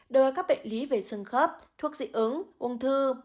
đối với các bệnh lý về sương khớp thuốc dị ứng ung thư